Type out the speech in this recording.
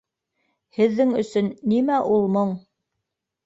Һеҙҙең өсөн нимә ул моң?